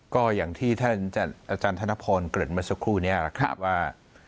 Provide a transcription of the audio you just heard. ก็อย่างที่ท่านอาจารย์ธนพรเกิดเมื่อสักครู่นี้แหละครับว่า